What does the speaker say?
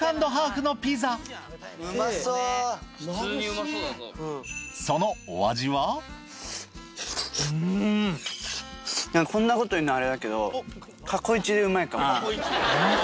まずはこんなこと言うのあれだけど。